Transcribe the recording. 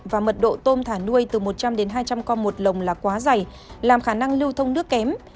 và mật độ tôm thả nuôi từ một trăm linh đến hai trăm linh con một lồng là quá dày làm khả năng lưu thông nước kém